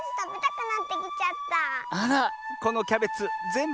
あらこのキャベツぜんぶ